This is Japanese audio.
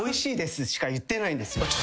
しか言ってないんです。